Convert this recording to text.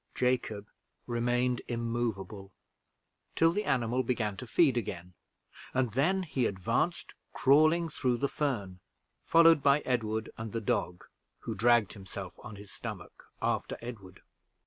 Jacob remained immovable till the animal began to feed again, and then he advanced, crawling through the fern, followed by Edward and the dog, who dragged himself on his stomach after Edward.